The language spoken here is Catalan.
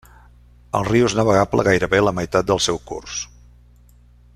El riu és navegable gairebé la meitat del seu curs.